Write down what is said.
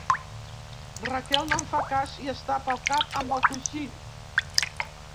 Raquel no em fa cas i es tapa el cap amb el coixí.